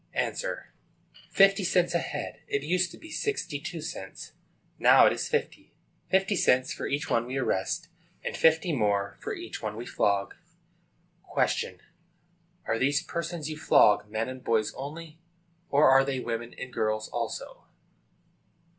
A. Fifty cents a head. It used to be sixty two cents. Now it is fifty. Fifty cents for each one we arrest, and fifty more for each one we flog. Q. Are these persons you flog men and boys only, or are they women and girls also?